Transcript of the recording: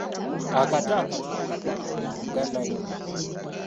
Akaato akatono kabbidde mu mugga Nile.